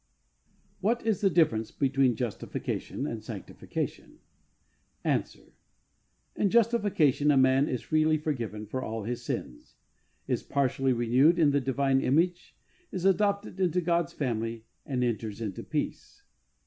What is the difference between justification and sanctification ? Answer ; In justification, a man is freely forgiven for all his sins, is partially renewed in the divine image, is adopted into God's family and enters into peace.